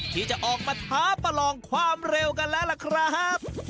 ที่จะออกมาท้าประลองความเร็วกันแล้วล่ะครับ